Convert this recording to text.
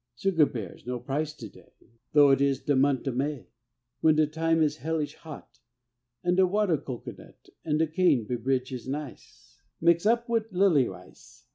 Sugar bears no price to day, Though it is de mont' o' May, When de time is hellish hot, An' de water cocoanut An' de cane bebridge is nice, Mix' up wid a lilly ice.